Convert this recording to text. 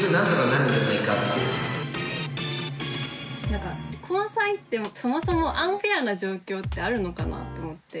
なんか交際ってそもそもアンフェアな状況ってあるのかなって思って。